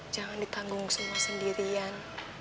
jangan ditanggung semua sendirian